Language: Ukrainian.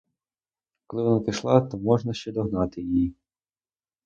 Коли вона пішла, то можна ще догнати її.